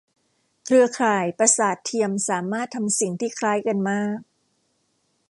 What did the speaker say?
เครือข่ายประสาทเทียมสามารถทำสิ่งที่คล้ายกันมาก